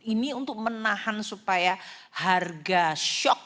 ini untuk menahan supaya harga shock